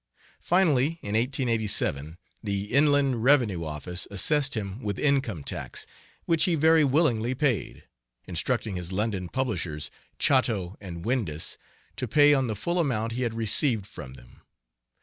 Finally, in 1887, the inland revenue office assessed him with income tax, which he very willingly paid, instructing his London publishers, Chatto & Windus, to pay on the full amount he had received from them.